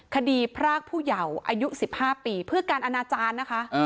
พรากผู้เยาว์อายุ๑๕ปีเพื่อการอนาจารย์นะคะ